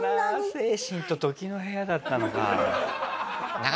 精神と時の部屋だったのか。